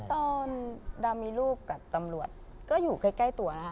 ตอนดำมีลูกกับตำรวจก็อยู่ใกล้ตัวนะคะ